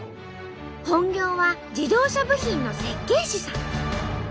本業は自動車部品の設計士さん。